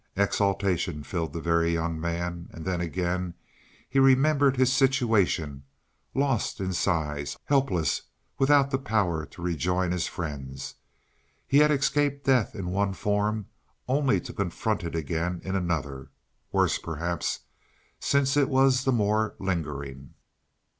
Exultation filled the Very Young Man. And then again he remembered his situation lost in size, helpless, without the power to rejoin his friends. He had escaped death in one form only to confront it again in another worse perhaps, since it was the more lingering.